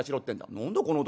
『何だこの男』。